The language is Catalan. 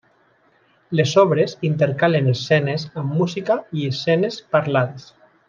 Les obres intercalen escenes amb música i escenes parlades.